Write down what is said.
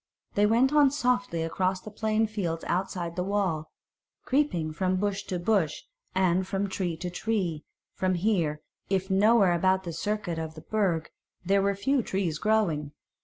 They went on softly across the plain fields outside the wall, creeping from bush to bush, and from tree to tree, for here, if nowhere about the circuit of the Burg, were a few trees growing.